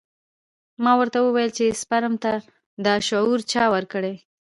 ما ورته وويل چې سپرم ته دا شعور چا ورکړى.